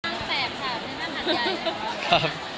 นี่มันหัดใหญ่ไหมครับ